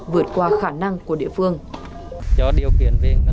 vượt qua khả năng của địa phương